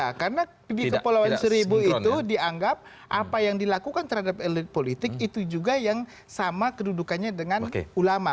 ya karena di kepulauan seribu itu dianggap apa yang dilakukan terhadap elit politik itu juga yang sama kedudukannya dengan ulama